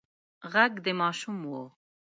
غږ د ماشوم و.